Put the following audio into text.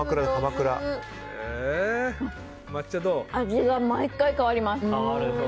味が毎回変わります。